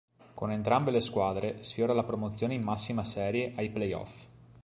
Con entrambe le squadre sfiora la promozione in massima serie ai play-off.